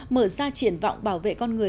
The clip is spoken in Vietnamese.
mở ra triển vọng bảo vệ con người